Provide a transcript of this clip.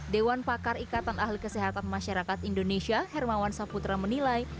dewan pakar ikatan ahli kesehatan masyarakat indonesia hermawan saputra menilai